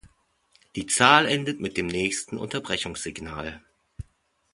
Die Zahl endet mit dem nächsten „Unterbrechung“-Signal.